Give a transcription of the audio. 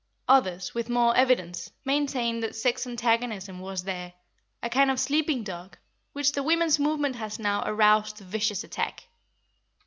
Others, with more evidence, maintain that sex antagonism was there, a kind of sleeping dog, which the women's movement has now aroused to vicious attack.